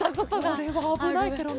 それはあぶないケロね。